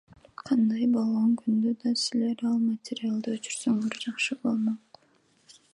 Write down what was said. Кандай болгон күндө да силер ал материалды өчүрсөңөр жакшы болмок.